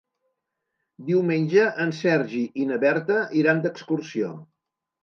Diumenge en Sergi i na Berta iran d'excursió.